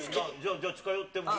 じゃあ、近寄っても。